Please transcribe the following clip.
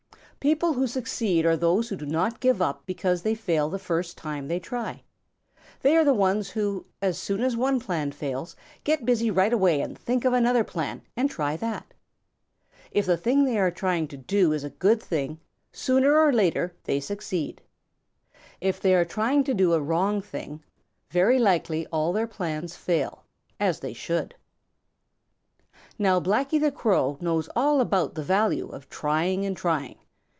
People who succeed are those who do not give up because they fail the first time they try. They are the ones who, as soon as one plan fails, get busy right away and think of another plan and try that. If the thing they are trying to do is a good thing, sooner or later they succeed. If they are trying to do a wrong thing, very likely all their plans fail, as they should. Now Blacky the Crow knows all about the value of trying and trying.